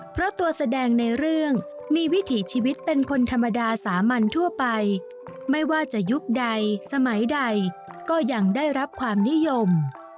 เพราะตัวแสดงในเรื่องมีวิถีชีวิตเป็นคนธรรมดาสามัญทั่วไปไม่ว่าจะยุคใดสมัยใดก็ยังได้รับความนิยม